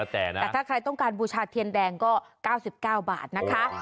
แต่ถ้าใครต้องการบูชาเทียนแดงก็๙๙บาทนะคะ